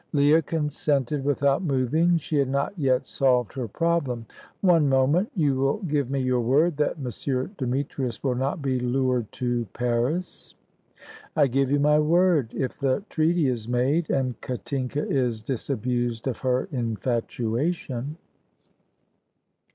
Leah consented without moving. She had not yet solved her problem. "One moment. You will give me your word that M. Demetrius will not be lured to Paris?" "I give you my word, if the treaty is made, and Katinka is disabused of her infatuation."